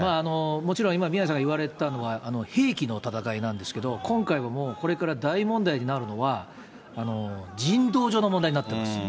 もちろん今、宮根さんが言われたのは兵器の戦いなんですけど、今回はもうこれから大問題になるのは、人道上の問題になってます。